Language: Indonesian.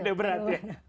udah berat ya